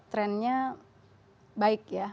trendnya baik ya